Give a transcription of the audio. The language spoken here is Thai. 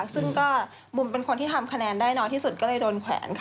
ซึ่งก็บุมเป็นคนที่ทำคะแนนได้น้อยที่สุดก็เลยโดนแขวนค่ะ